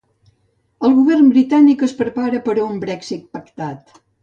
El govern britànic es prepara per a un Brexit pactat.